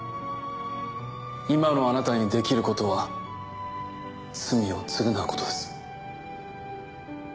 今のあなたにできることは罪を償うことです。